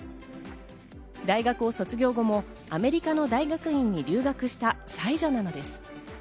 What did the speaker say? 大学を卒業後もアメリカの大学院に留学した才女なのです。